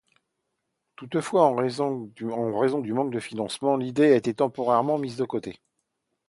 Toutefois, en raison du manque de financement, l'idée a été temporairement mise de côté.